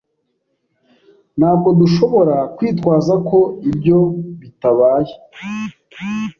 Ntabwo dushobora kwitwaza ko ibyo bitabaye.